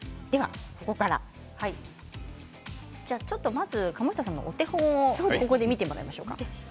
まず鴨下さんのお手本をここで見てもらいましょうか。